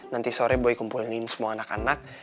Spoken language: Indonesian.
nanti sore boy kumpulin semua anak anak